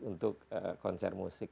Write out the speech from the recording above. untuk konser musik